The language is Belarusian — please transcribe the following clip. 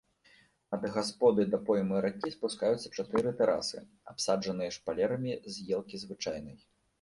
Ад гасподы да поймы ракі спускаюцца чатыры тэрасы, абсаджаныя шпалерамі з елкі звычайнай.